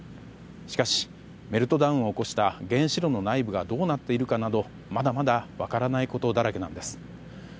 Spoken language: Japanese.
しかし、メルトダウンを起こした原子炉の内部がどうなっているかなど、まだまだ分からないことだらけです。